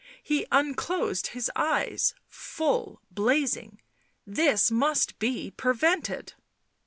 He unclosed his eyes, full, blazing. " This must be prevented."